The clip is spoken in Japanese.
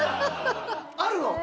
あるの？